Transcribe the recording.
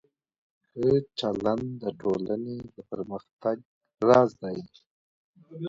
ښه چلند د ټولنې د پرمختګ راز دی.